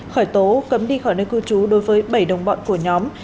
khởi tố cấm đi khỏi nơi cư trú đối với bảy đồng bọn của nhóm